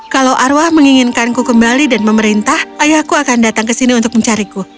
kalau arwah menginginkanku kembali dan memerintah ayahku akan datang ke sini untuk mencariku